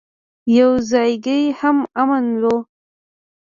يو ځايګى هم امن نه و.